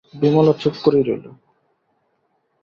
বিমলা চুপ করেই রইল।